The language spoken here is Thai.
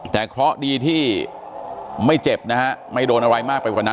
แต่เคราะห์ดีที่ไม่เจ็บนะฮะไม่โดนอะไรมากไปกว่านั้น